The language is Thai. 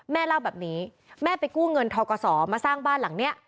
แม่เล่าแบบนี้แม่ไปกู้เงินทกศมาสร้างบ้านหลังนี้